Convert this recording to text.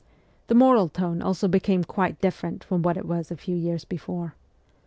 The moral tone also became quite different from what it was a few years before.